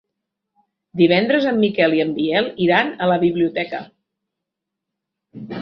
Divendres en Miquel i en Biel iran a la biblioteca.